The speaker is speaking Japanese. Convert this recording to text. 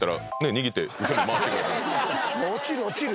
落ちる落ちる！